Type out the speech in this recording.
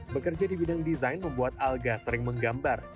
bekerja di bidang desain membuat alga sering menggambar